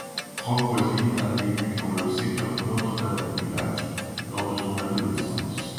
Roch Voisine a vécu dans le secteur Notre-Dame-du-Lac lors de son adolescence.